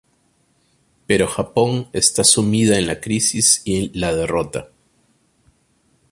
Pero Japón está sumida en la crisis y la derrota.